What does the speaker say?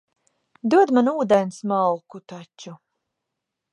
Dod man ūdens malku taču.